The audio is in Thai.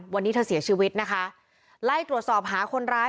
วันนี้เธอเสียชีวิตนะคะไล่ตรวจสอบหาคนร้าย